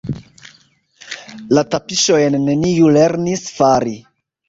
La tapiŝojn neniu lernis fari.